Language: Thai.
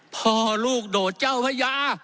พ่อลูกโดดเจ้าพระยา